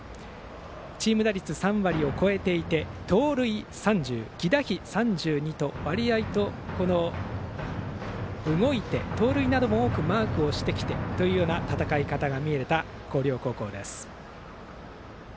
チーム打率、３割を超えていて盗塁３０犠打飛３２と、わりあいと動いて盗塁などもマークしてきたという戦い方が見られた広陵高校です。